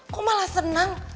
kok malah senang